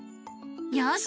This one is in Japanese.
よし！